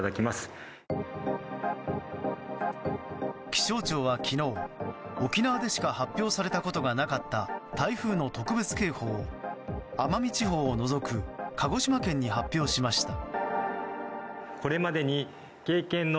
気象庁は昨日、沖縄でしか発表されたことがなかった台風の特別警報を奄美地方を除く鹿児島県に発表しました。